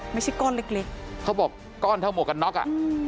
ไม่ใช่ก้อนเล็กเขาบอกก้อนเท่าหมวกกันน็อกอ่ะ